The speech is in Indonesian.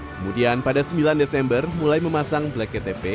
kemudian pada sembilan desember mulai memasang black ktp